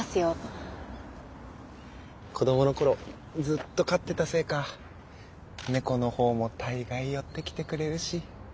子どもの頃ずっと飼ってたせいか猫のほうも大概寄ってきてくれるし。